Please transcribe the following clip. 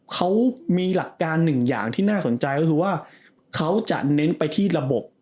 เขามีหลักการหนึ่งอย่างที่น่าสนใจก็คือว่าเขาจะเน้นไปที่ระบบ